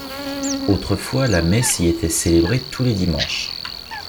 Autrefois, la messe y était célébrée tous les dimanches.